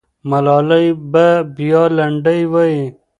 ملالۍ به بیا لنډۍ وایي.